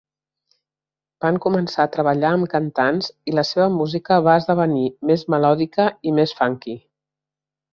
Van començar a treballar amb cantants i la seva música va esdevenir més melòdica i més funky.